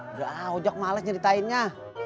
udah ah oh jak males nyeritainnya